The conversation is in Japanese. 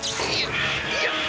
よっ。